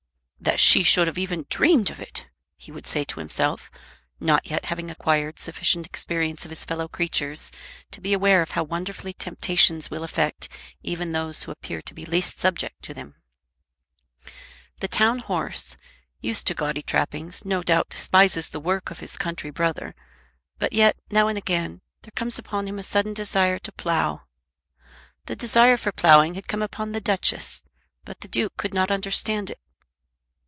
"That she should have even dreamed of it!" he would say to himself, not yet having acquired sufficient experience of his fellow creatures to be aware how wonderfully temptations will affect even those who appear to be least subject to them. The town horse, used to gaudy trappings, no doubt despises the work of his country brother; but yet, now and again, there comes upon him a sudden desire to plough. The desire for ploughing had come upon the Duchess, but the Duke could not understand it.